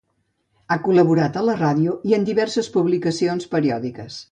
Ha col·laborat a la ràdio i en diverses publicacions periòdiques.